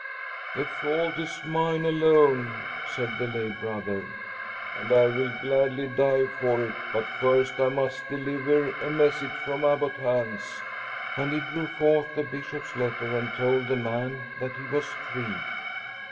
"The fault is mine alone," said the lay brother, "and I will gladly die for it; but first I must deliver a message from Abbot Hans." And he drew forth the Bishop's letter and told the man that he was free.